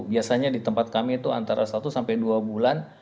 biasanya di tempat kami itu antara satu sampai dua bulan